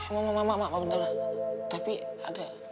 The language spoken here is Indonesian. emang mak mak mak bentar bentar tapi ada